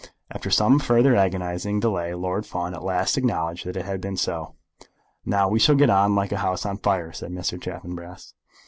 After some further agonising delay Lord Fawn at last acknowledged that it had been so. "Now we shall get on like a house on fire," said Mr. Chaffanbrass.